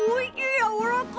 やわらかい！